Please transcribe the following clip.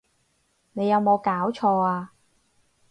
你有無攪錯呀！